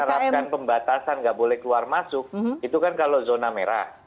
menerapkan pembatasan nggak boleh keluar masuk itu kan kalau zona merah